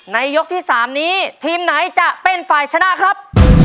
ยกที่๓นี้ทีมไหนจะเป็นฝ่ายชนะครับ